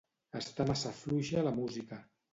Està massa fluixa la música.